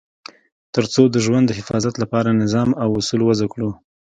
تر څو د ژوند د حفاظت لپاره نظام او اصول وضع کړو.